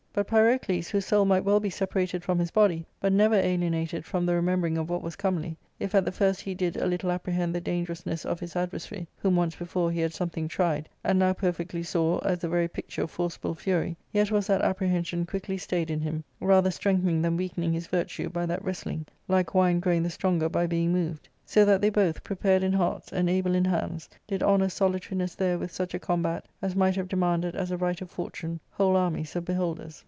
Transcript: But Pyrocles, whose soul might well be separated from his body, but never alienated from the remembering of what was comely, if at the first he did a little apprehend the dangerous ness of his adversary, whom once before he had something tried, and now perfectly saw, as the very picture of forcible fury, yet was that apprehension quickly stayed in him, rather strengthening than weakening his virtue by that wrest ling, like wine growing the stronger by being moved. So that they both, prepared in hearts and able in hands, did honour solitariness there with such a combat as might have de manded as a right of fortune whole armies of beholders.